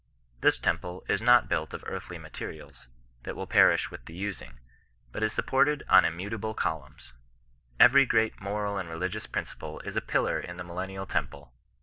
This temple is not built of earthly materials, that will perish with the udng, but is supported on immutable columns. Every great mofal and religious principle is a pillar in the millennial temple.